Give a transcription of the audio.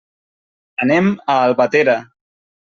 Anem a Albatera.